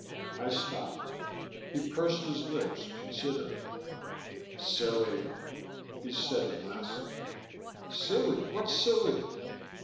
I stopped. He pursed his lips, considering. "Silly," he said at last. "Silly? What's silly!"